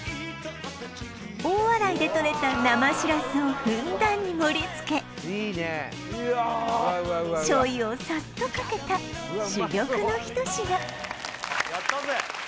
大洗でとれた生しらすをふんだんに盛り付け醤油をさっとかけた珠玉の一品やったぜ！